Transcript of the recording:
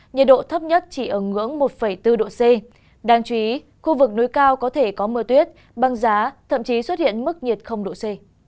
nhiệt độ thấp nhất chỉ ở ngưỡng một bốn độ c đáng chú ý khu vực núi cao có thể có mưa tuyết băng giá thậm chí xuất hiện mức nhiệt độ c